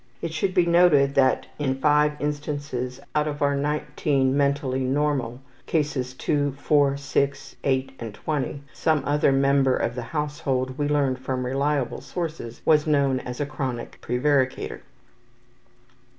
It should be noted that in 5 instances out of our 19 mentally normal (Cases 2, 4, 6, 8, 20) some other member of the household, we learned from reliable sources, was known as a chronic prevaricator.